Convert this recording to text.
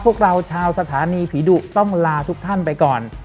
พวกเราชาวสถานีผีดุต้องลาทุกท่านไปก่อน